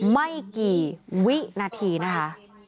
ไม่กี่วินาทีนะคะ